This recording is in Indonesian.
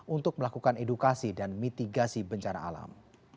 untuk melakukan edukasi dan mitigasi bencana alam